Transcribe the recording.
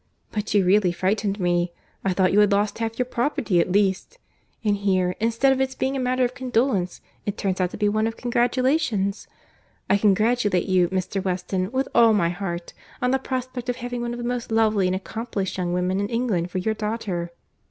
But you really frightened me. I thought you had lost half your property, at least. And here, instead of its being a matter of condolence, it turns out to be one of congratulation.—I congratulate you, Mr. Weston, with all my heart, on the prospect of having one of the most lovely and accomplished young women in England for your daughter."